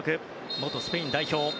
元スペイン代表。